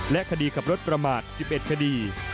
คดีขับรถประมาท๑๑คดี